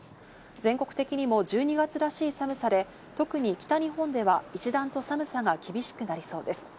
全国的にも１２月らしい寒さで、特に北日本では一段と寒さが厳しくなりそうです。